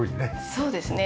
そうですね。